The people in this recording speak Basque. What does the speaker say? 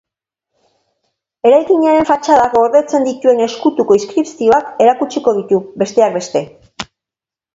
Eraikinaren fatxadak gordetzen dituen ezkutuko inskripzioak erakutsiko ditu, besteak beste.